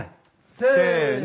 せの。